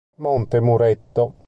Monte Muretto